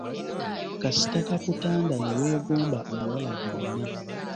Kasita kakutanda ne weegomba omuwala yenna.